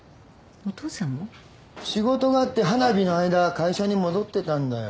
・仕事があって花火の間は会社に戻ってたんだよ。